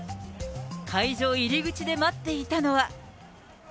会場入り口で待っていたのは。